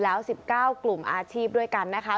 แล้ว๑๙กลุ่มอาชีพด้วยกันนะคะ